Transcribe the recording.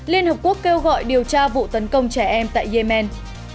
liên hợp quốc kêu gọi điều tra vụ tấn công trẻ em tại yemen